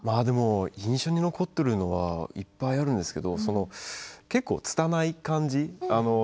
印象に残っているのはいっぱいあるんですけれど結構つたない感じ